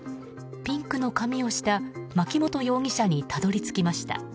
ピンクの髪をした槇本容疑者にたどり着きました。